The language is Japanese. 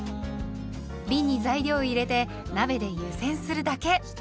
びんに材料を入れて鍋で湯煎するだけ。